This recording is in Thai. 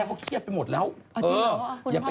พี่ปิดเบกเวลาจะหมดจากวัน